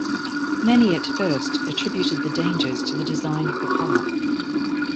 Many at first attributed the dangers to the design of the park.